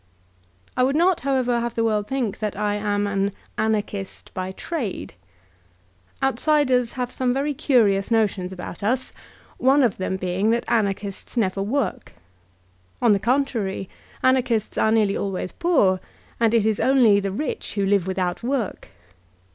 I would not, however, have the world think that I am an ^Anarchist by trade.*' Outsiders have some very cunous notions about us, one of them being that Anarch ists never work. On the contrary, Anarchbts are nearly always poor, and it is only the rich who live without work.